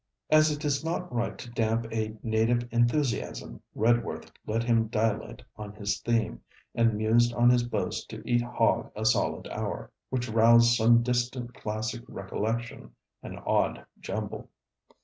As it is not right to damp a native enthusiasm, Redworth let him dilate on his theme, and mused on his boast to eat hog a solid hour, which roused some distant classic recollection: an odd jumble.